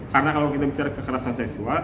karena kalau kita bicara kekerasan seksual